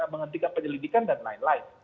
menghentikan penyelidikan dan lain lain